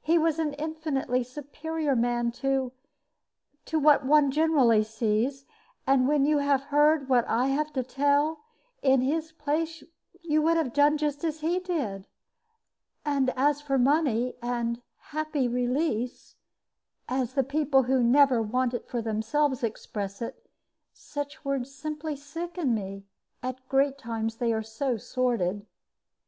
He was an infinitely superior man to to what one generally sees; and when you have heard what I have to tell, in his place you would have done just as he did. And as for money, and 'happy release' as the people who never want it for themselves express it such words simply sicken me; at great times they are so sordid."